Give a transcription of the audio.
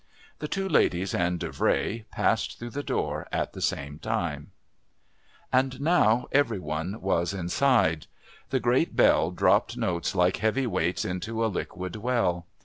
The two ladies and Davray passed through the door at the same time. And now every one was inside. The great bell dropped notes like heavy weights into a liquid well.